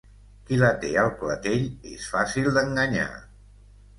Qui la té al clatell és fàcil d'enganyar.